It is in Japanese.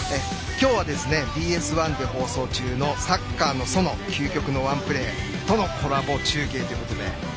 今日はＢＳ１で放送中の「サッカーの園究極のワンプレー」とのコラボ中継ということで。